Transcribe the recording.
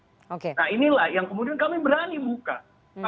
nah inilah yang kemudian kami berani buka